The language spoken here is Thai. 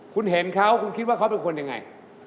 คุณเห็นเขาคุณคิดว่าเขาเป็นคนยังไง